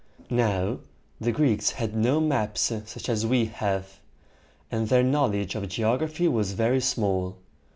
Now, the Greeks had no maps such as we have; and their knowledge of geography was very small.